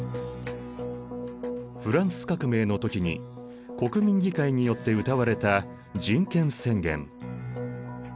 フランス革命の時に国民議会によってうたわれた人権宣言。